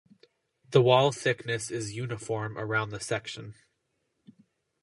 The wall thickness is uniform around the section.